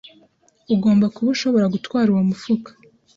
Ugomba kuba ushobora gutwara uwo mufuka.